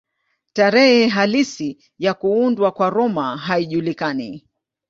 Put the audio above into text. Tarehe halisi ya kuundwa kwa Roma haijulikani.